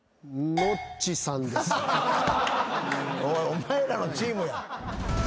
おいお前らのチームや。